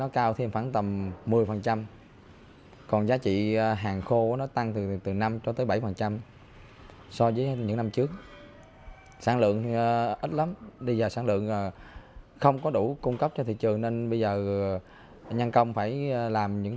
không đảm bảo cung cấp cho thị trường